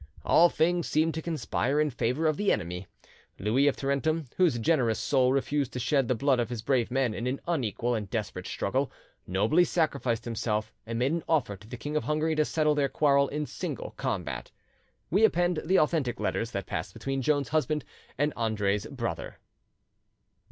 All things seemed to conspire in favour of the enemy. Louis of Tarentum, whose generous soul refused to shed the blood of his brave men in an unequal and desperate struggle, nobly sacrificed himself, and made an offer to the King of Hungary to settle their quarrel in single combat. We append the authentic letters that passed between Joan's husband and Andre's brother.